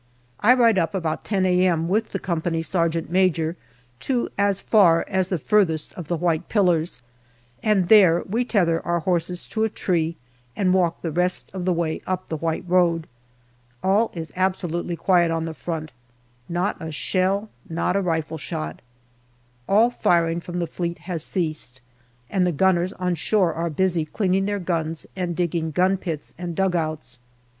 I ride up about 10 a.m. with the company sergeant major to as far as the furthest of the white pillars, and there we tether our horses to a tree and walk the rest of the way up the white road. All is absolutely quiet on the front not a shell, not a rifle shot. All firing from the Fleet has ceased, and the gunners on shore are busy cleaning their guns and digging gun pits and dugouts.